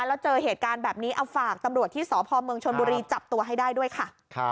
แล้วเจอเหตุการณ์แบบนี้เอาฝากตำรวจที่สพเมืองชนบุรีจับตัวให้ได้ด้วยค่ะ